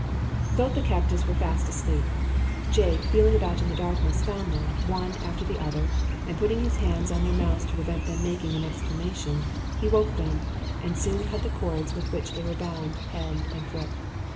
Both the captives were fast asleep. Jake, feeling about in the darkness, found them, one after the other, and, putting his hands on their mouths to prevent them making an exclamation, he woke them, and soon cut the cords with which they were bound hand and foot.